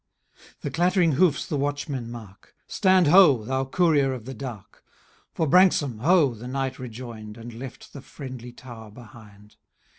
The clattering hoofs the watchmen mark ;—Stand, ho ! thou courier of the dark." —*' For Branksome, ho !" the knight rejoin'd. And left the friendly tower behind.